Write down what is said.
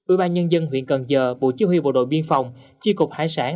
ủy ban nhân dân huyện cần giờ bộ chí huy bộ đội biên phòng chi cục hải sản